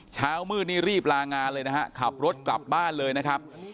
เช้ามืดนี่รีบลางานเลยนะฮะขับรถกลับบ้านเลยนะครับ